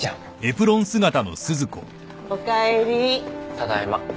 ただいま。